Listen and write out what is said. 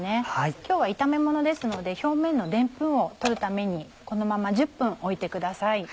今日は炒めものですので表面のでんぷんを取るためにこのまま１０分置いてください。